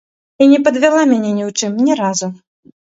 І не падвяла мяне ні ў чым, ні разу.